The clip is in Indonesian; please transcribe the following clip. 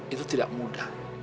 itu tidak mudah